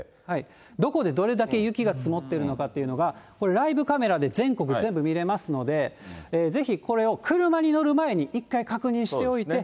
どこでどれだけ雪が積もっているのかというのが、これ、ライブカメラで全国全部見れますので、ぜひこれを車に乗る前に１回確認しておいて。